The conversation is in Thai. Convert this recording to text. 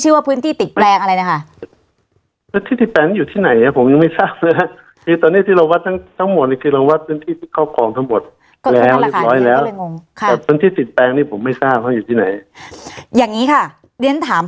ชื่อว่าพื้นที่ติดแปลงอะไรนะคะพื้นที่ติดแปลงนี่อยู่ที่ไหนอ่ะ